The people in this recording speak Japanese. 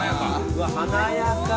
うわ華やか。